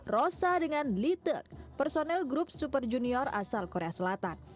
rosa dengan liter personel grup super junior asal korea selatan